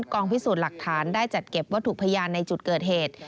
กองพิสูจน์หลักฐานได้จัดเก็บวัตถุพยานในจุดเกิดเหตุ